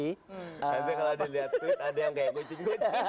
nanti kalau dilihat tweet ada yang kayak kucing